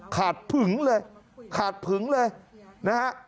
ผึงเลยขาดผึงเลยนะฮะ